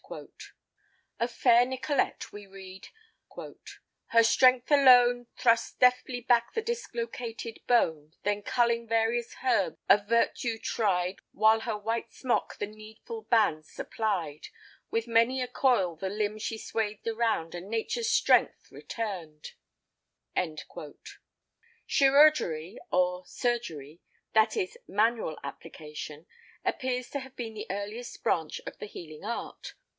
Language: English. Of fair Nicolette we read— Her strength alone Thrust deftly back the dislocated bone; Then culling various herbs of virtue tried, While her white smock the needful bands supplied, With many a coil the limb she swathed around, And nature's strength returned. Chirurgery, or surgery—that is manual application—appears to have been the earliest branch of the healing art.